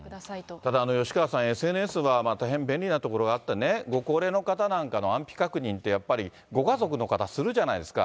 ただ、吉川さん、ＳＮＳは大変便利なところがあってね、ご高齢の方なんかの安否確認ってやっぱり、ご家族の方、するじゃないですか。